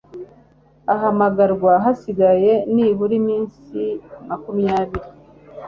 ihamagarwa hasigaye nibura iminsi makumyabiri